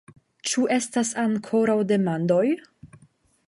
Ĉu estas ankoraŭ demandoj?